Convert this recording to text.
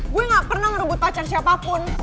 gue gak pernah ngerebut pacar siapapun